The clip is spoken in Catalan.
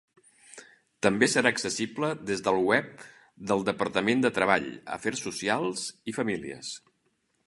També serà accessible des del web del Departament de Treball, Afers Socials i Famílies.